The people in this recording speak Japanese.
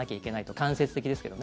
間接的ですけどね。